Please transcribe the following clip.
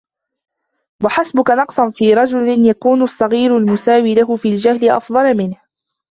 وَحَسْبُك نَقْصًا فِي رَجُلٍ يَكُونُ الصَّغِيرُ الْمُسَاوِي لَهُ فِي الْجَهْلِ أَفْضَلَ مِنْهُ